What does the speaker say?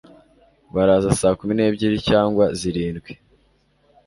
Baraza saa kumi n'ebyiri cyangwa zirindwi?